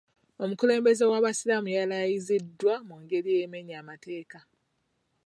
Omukulembeze w'abasiraamu yalayiziddwa mu ngeri emenya amateeka.